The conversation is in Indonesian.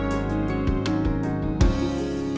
mbak catherine kita mau ke rumah